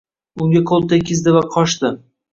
Unga qo‘l tegizdi va qochdi.